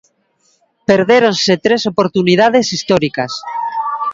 Perdéronse tres oportunidades históricas.